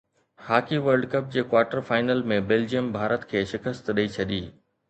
hockey world cup جي quarter final ۾ Belgium Bharat کي شڪست ڏئي ڇڏي